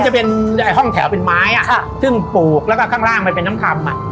จะเป็นห้องแถวเป็นไม้ซึ่งปลูกแล้วก็ข้างล่างมันเป็นน้ำคำ